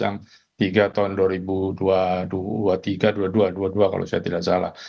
yang tiga tahun dua ribu dua puluh tiga dua ribu dua puluh dua dua puluh dua kalau saya tidak salah